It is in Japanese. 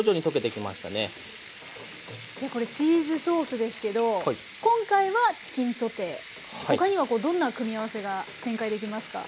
いやこれチーズソースですけど今回はチキンソテー他にはどんな組み合わせが展開できますか？